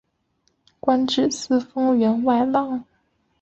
官至司封员外郎。